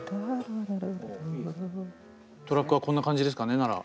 トラックはこんな感じですかねなら。